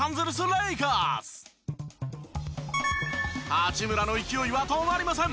八村の勢いは止まりません。